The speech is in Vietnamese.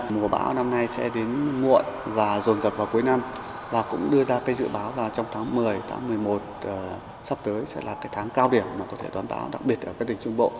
mùa bão năm nay sẽ đến muộn và dồn dập vào cuối năm và cũng đưa ra cái dự báo là trong tháng một mươi tháng một mươi một sắp tới sẽ là cái tháng cao điểm mà có thể đoán báo đặc biệt ở các định trung bộ